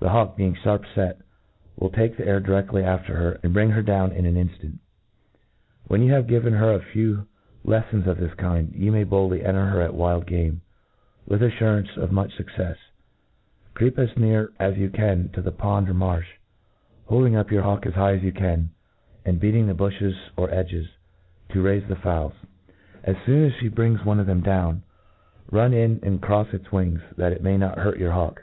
The hawk, being fharp fct, will take the air direftly after her, and bring her down in an inft^nt* When you have given her a few leflons of this kind, you may boldly enter her at wild game, with afliirancc of much fciccefs* Creep as near as you can to the pond or marfli, hold ing up your hawk as high as you can, and beat ing the bufhes or ledges, to raife the fowls. As foon as ihe brings one of them down, run in and crofi. its wings, that it may not hurt your hawk.